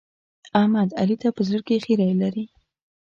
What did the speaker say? احمد؛ علي ته په زړه کې خيری لري.